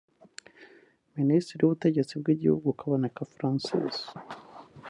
Minisitiri w’Ubutegetsi bw’Igihugu Kaboneka Francis